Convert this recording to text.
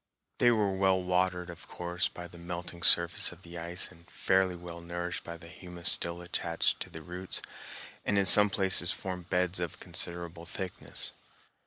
They were well watered, of course, by the melting surface of the ice and fairly well nourished by humus still attached to the roots, and in some places formed beds of considerable thickness.